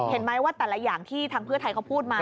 เห็นไหมว่าแต่ละอย่างที่ทางเพื่อไทยเขาพูดมา